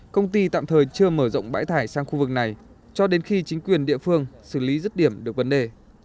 công ty tạm thời chưa mở rộng bãi thải sang khu vực này cho đến khi chính quyền địa phương xử lý rứt điểm được vấn đề